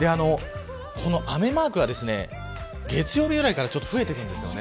この雨マークは月曜日ぐらいから増えていくんです。